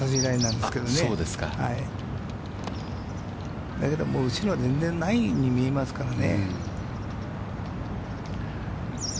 だけど、後ろ全然ないように見えますからね。